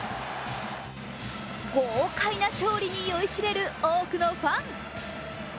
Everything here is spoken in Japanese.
ゴー快な勝利に酔いしれる多くのファン。